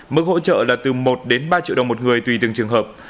mức hỗ trợ là từ một đến ba triệu đồng một người tùy từng trường hợp